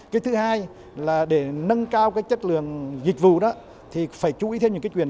cái thứ hai là để nâng cao cái chất lượng dịch vụ đó thì phải chú ý thêm những cái quyền